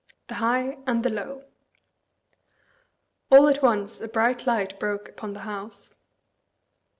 THE HIGH AND THE LOW. All at once a bright light broke upon the House.